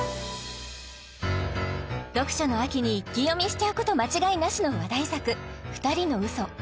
読書の秋に一気読みしちゃうこと間違いなしの話題作「二人の嘘」